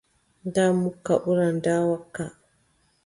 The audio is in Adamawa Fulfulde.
Ndaa mukka ɓuran ndaa wakka.